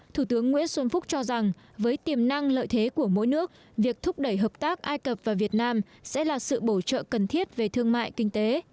thủ tướng nguyễn xuân phúc cho rằng với tiềm năng lợi thế của mỗi nước việc thúc đẩy hợp tác ai cập và việt nam sẽ là sự bổ trợ cần thiết về thương mại kinh tế